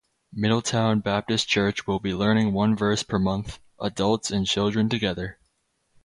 Middletown Baptist Church will be learning one verse per month, adults and children together.